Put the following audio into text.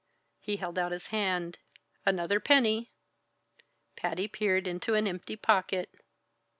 He held out his hand. "Another penny!" Patty peered into an empty pocket.